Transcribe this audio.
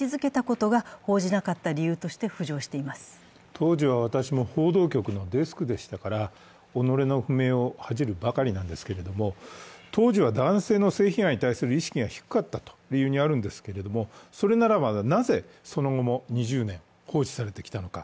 当時は私も報道局のデスクでしたから、己の不明を恥じるばかりなんですけれども、当時は男性の性被害に対する意識が低かったというのがあるんですけどそれならば、なぜその後も２０年放置されてきたのか。